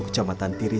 desa andung biru